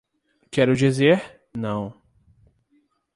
Quero dizer, não.